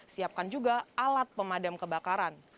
siapkan juga alat pemadam kebakaran